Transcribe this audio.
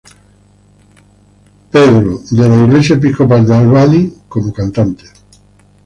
Peter's Episcopal Church de Albany como cantante.